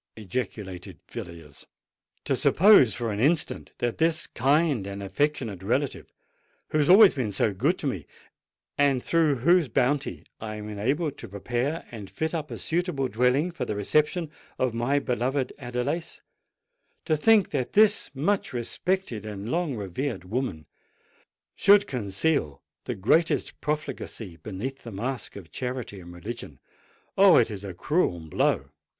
ejaculated Villiers. "To suppose for an instant that this kind and affectionate relative—who has always been so good to me, and through whose bounty I am enabled to prepare and fit up a suitable dwelling for the reception of my beloved Adelais,—to think that this much respected and long revered woman should conceal the greatest profligacy beneath the mask of charity and religion—oh! it is a cruel blow!"